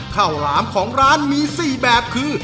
หลามของร้านมี๔แบบคือ